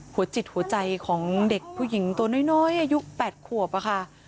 หัวจิตหัวใจของเด็กผู้หญิงตัวน้อยอายุ๘ขวบค่ะ